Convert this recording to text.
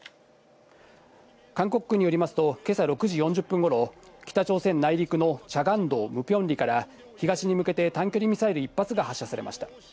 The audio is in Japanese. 韓国軍によりますと今朝６時４０分頃、北朝鮮内陸のチャガン道ムピョン里から東に向けて短距離ミサイル１発が発射されました。